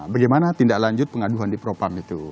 bagaimana tindak lanjut pengaduan di propam itu